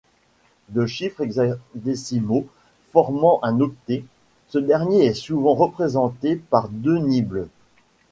Deux chiffres hexadécimaux formant un octet, ce dernier est souvent représenté par deux nibbles.